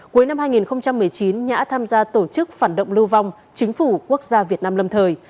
cuối năm hai nghìn một mươi chín nhã tham gia tổ chức phản động lưu vong chính phủ quốc gia việt nam lâm thời